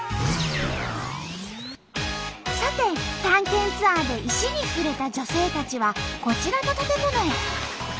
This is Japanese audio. さて探検ツアーで石に触れた女性たちはこちらの建物へ。